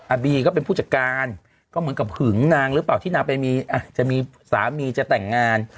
บีก็เป็นผู้จัดการก็เหมือนกับหึงนางหรือเปล่าที่นางไปมีจะมีสามีจะแต่งงาน